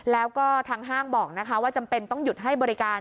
แล้วก็ทางห้างบอกนะคะว่าจำเป็นต้องหยุดให้บริการ